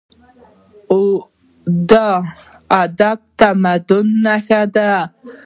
ادب د تمدن نښه ده.